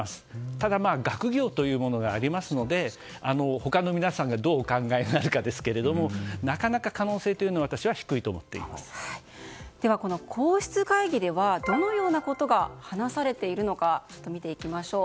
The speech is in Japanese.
ただ、学業というものがありますので他の皆さんがどうお考えになるかですけれどもなかなか可能性というのは皇室会議ではどのようなことが話されているのか見ていきましょう。